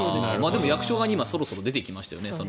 でも役所側にもそろそろ出てきましたよね。